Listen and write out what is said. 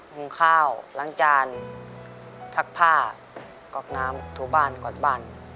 หุงข้าวล้างจานซักผ้าก๊อกน้ำถูบ้านกอดบ้าน